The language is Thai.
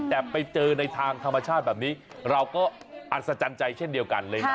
แต่ไปเจอในทางธรรมชาติแบบนี้เราก็อัศจรรย์ใจเช่นเดียวกันเลยนะ